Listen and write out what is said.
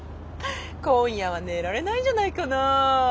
今夜は寝られないんじゃないかな？